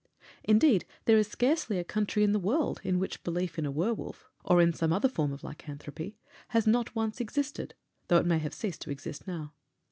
Indeed, there is scarcely a country in the world in which belief in a werwolf, or in some other form of lycanthropy, has not once existed, though it may have ceased to exist now.